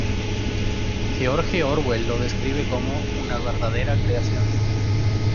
George Orwell lo describe como "...una verdadera creación.